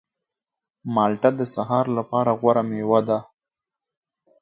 مالټه د سهار لپاره غوره مېوه ده.